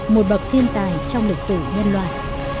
một bậc thiên tài trong lịch sử nhân loại